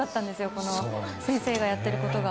この先生がやっていることが。